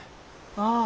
ああ。